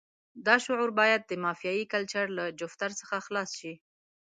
دا شعور باید د مافیایي کلچر له جفتر څخه خلاص شي.